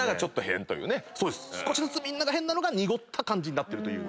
少しずつみんなが変なのが濁った感じになってるという。